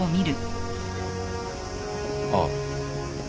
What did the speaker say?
ああ。